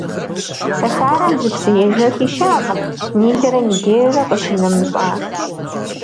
Сахарэм зы псыежэхи щыӏэкъым, Нилрэ Нигеррэ къищынэмыщӏа.